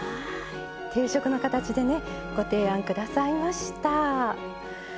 定食の形でねご提案下さいました。